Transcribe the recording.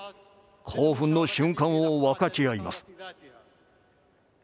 興奮の瞬間を分かち合います。